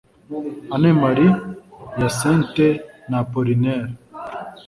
anne marie, hyacinthe na apolinnaire